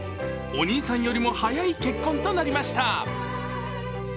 お兄さんよりも早い結婚となりました。